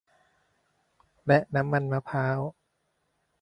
และน้ำมันมะพร้าว